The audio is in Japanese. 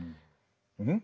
うん？